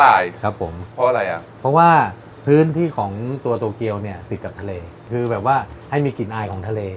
ใช่ครับผมเพราะอะไรอ่ะเพราะว่าพื้นที่ของตัวโตเกียวเนี่ยติดกับทะเลคือแบบว่าให้มีกลิ่นอายของทะเล